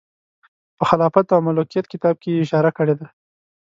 په خلافت او ملوکیت کتاب کې یې اشاره کړې ده.